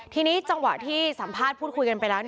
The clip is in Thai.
ทีนี้จังหวะที่สัมภาษณ์พูดคุยกันไปแล้ว